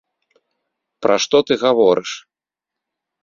Пра што ты гаворыш?